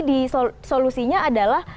di solusinya adalah